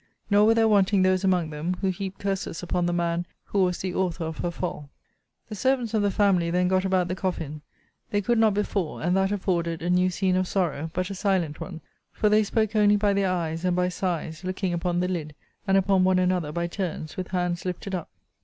Nor were there wanting those among them, who heaped curses upon the man who was the author of her fall. The servants of the family then got about the coffin. They could not before: and that afforded a new scene of sorrow: but a silent one; for they spoke only by their eyes, and by sighs, looking upon the lid, and upon one another, by turns, with hands lifted up.